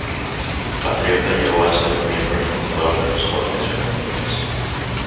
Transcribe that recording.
Patriota llegó a ser un miembro fundador de los Jóvenes Vengadores.